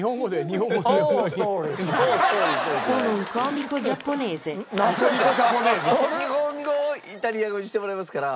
日本語をイタリア語にしてもらいますから。